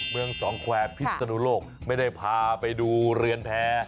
เมืองสองแควร์พิศนุโลกไม่ได้พาไปดูเรือนแพ้